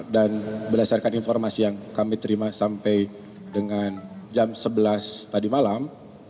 berdasarkan informasi yang kami terima sampai dengan jam sebelas tadi malam